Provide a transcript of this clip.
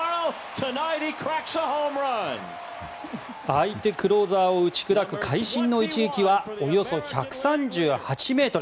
相手クローザーを打ち砕く会心の一撃はおよそ１３８ｍ。